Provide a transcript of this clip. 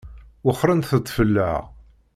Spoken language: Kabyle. Wexxṛemt-tt fell-aɣ.